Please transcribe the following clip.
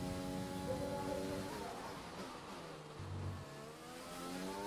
অধিকাংশ শ্রমিক তাঁদের হাঁস-মুরগি, ছাগল বিক্রি করে সংসার চালাচ্ছেন বলে জানা গেছে।